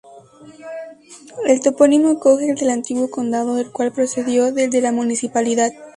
El topónimo coge el del antiguo condado, el cual procedió del de la municipalidad.